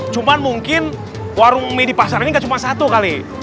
cuma mungkin warung mie di pasar ini nggak cuma satu kali